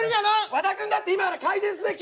和田君だって今から改善すべき。